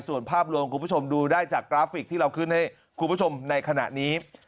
ส่วนภาพรวมคุณผู้ชมดูได้จากกราฟิกที่เราขึ้นให้คุณผู้ชมในขณะนี้